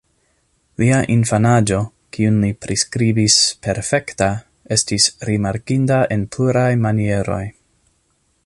Lia infanaĝo, kiun li priskribis "perfekta", estis rimarkinda en pluraj manieroj.